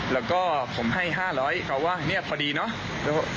แล้วก็ผมให้๕๐๐เขาว่าเนี่ยพอดีเนาะ